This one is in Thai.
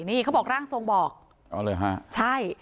นี่เขาบอกร่างทรงบอกอ๋อเลยฮะใช่